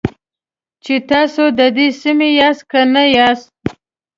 چې تاسو د دې سیمې یاست که نه یاست.